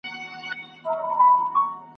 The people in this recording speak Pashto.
موري که موړ یمه که وږی وړم درانه بارونه ..